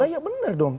iya benar dong